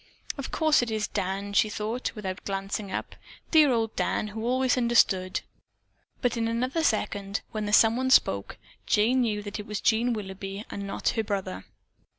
"Of course it is Dan," she thought, without glancing up. Dear old Dan who always understood. But in another second, when the someone spoke, Jane knew that it was Jean Willoughby and not her brother.